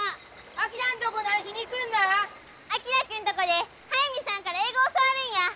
昭君とこで速水さんから英語教わるんや！